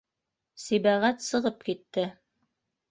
Сибәғәт сығып китте.